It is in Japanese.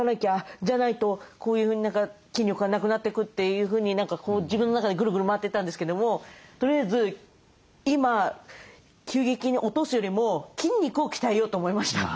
じゃないとこういうふうに筋力がなくなっていく」というふうに自分の中でグルグル回ってたんですけどもとりあえず今急激に落とすよりも筋肉を鍛えようと思いました。